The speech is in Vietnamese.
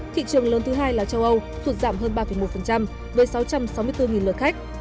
thị trường lớn thứ hai là châu âu sụt giảm hơn ba một với sáu trăm sáu mươi bốn lượt khách